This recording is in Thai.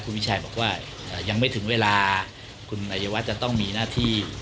คุณวิชัยบอกว่ายังไม่ถึงเวลาคุณอายวัฒน์จะต้องมีหน้าที่